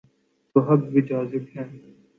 تو حق بجانب ہیں۔